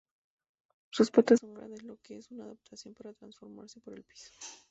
Sus patas son grandes, lo que es una adaptación para trasladarse por el piso.